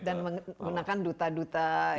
dan menggunakan duta duta itu